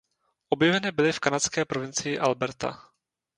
Objeveny byly v kanadské provincii Alberta.